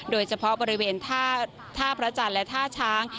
โดยเฉพาะบริเวณท่าพระจันทร์และท่าช้าง